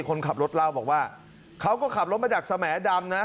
คนขับรถเล่าบอกว่าเขาก็ขับรถมาจากสแหมดำนะ